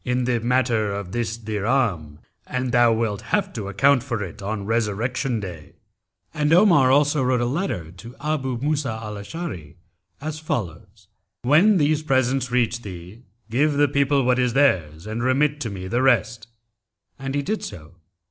in the matter of this dirham, and thou wilt have to account for it on Resurrection Day.'[FN#273] And Omar also wrote a letter to Abú Músá al Ashári[FN#274] as follows, 'When these presents reach thee, give the people what is theirs and remit to me the rest.' And he did so.